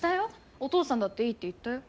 お父さんだっていいって言ったよ。